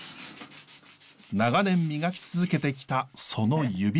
長年磨き続けてきたその指は。